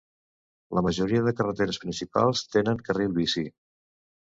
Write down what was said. La majoria de carreteres principals tenen carril bici.